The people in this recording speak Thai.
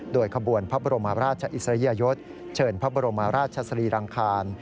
โดยขบวนพระบรมราชอิสริยยศเชิญพระบรมราชสรีรังคาร